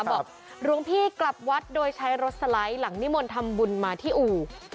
บอกหลวงพี่กลับวัดโดยใช้รถสไลด์หลังนิมนต์ทำบุญมาที่อู่